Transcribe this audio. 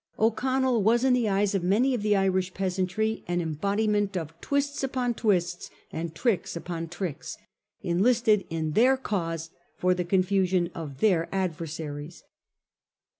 O'Connell was in the eyes of many of the Irish peasantry an em bodiment of 'twists upon twists and tricks upon tricks,' enlisted in their cause for the confusion of their adversaries.